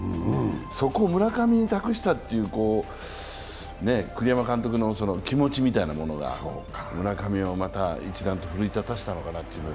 そこを村上に託したという栗山監督の気持ちみたいなものが村上をまた一段と奮い立たせたのかなっていう。